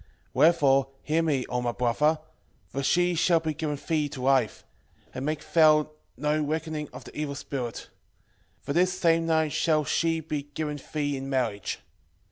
wherefore hear me, O my brother; for she shall be given thee to wife; and make thou no reckoning of the evil spirit; for this same night shall she be given thee in marriage.